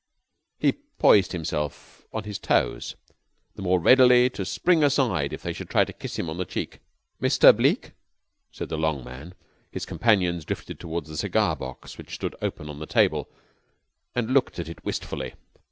He poised himself on his toes, the more readily to spring aside if they should try to kiss him on the cheek. "Mr. Bleke?" said the long man. His companions drifted toward the cigar box which stood open on the table, and looked at it wistfully.